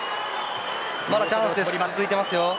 まだチャンスは続いています。